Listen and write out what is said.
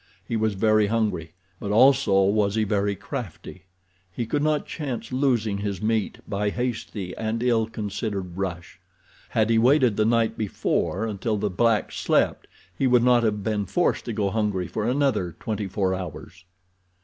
He was very hungry; but also was he very crafty. He could not chance losing his meat by a hasty and ill considered rush. Had he waited the night before until the blacks slept he would not have been forced to go hungry for another twenty four hours.